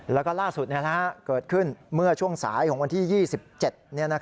แล้วก็ล่าสุดเกิดขึ้นเมื่อช่วงสายของวันที่๒๗